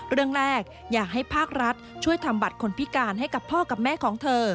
เรื่องแรกอยากให้ภาครัฐช่วยทำบัตรคนพิการให้กับพ่อกับแม่ของเธอ